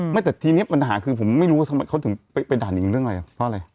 ไม่แต่ทีนี้ปัญหาคือผมไม่รู้ว่าทำไมเขาถึงไปด่านิงเรื่องอะไรเพราะอะไร